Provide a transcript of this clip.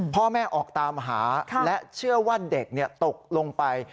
พ่อแม่ออกตามหาและเชื่อว่าเด็กตกลงไป